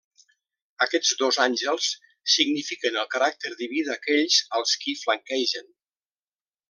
Aquests dos àngels signifiquen el caràcter diví d'aquells als qui flanquegen.